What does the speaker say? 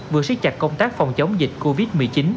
vừa siết chặt công tác phòng chống dịch covid một mươi chín